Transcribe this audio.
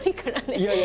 いやいや。